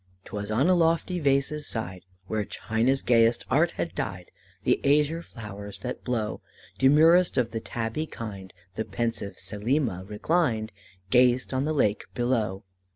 "'Twas on a lofty vase's side, Where China's gayest art had dyed The azure flowers that blow, Demurest of the tabby kind, The pensive Selima reclined, Gazed on the lake below.